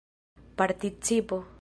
participo